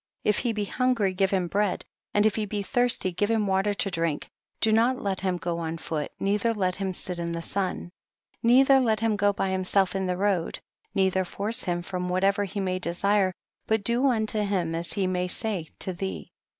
If he be hungry give him bread, and if he be thirsty give him water to drink ; do not let him go on foot, neither let him sit in the sun. 12. Neither let him go by himself in the road, neither force him from whatever he may desire, but do unto him as he may say to thee. 13.